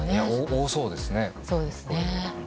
多そうですね。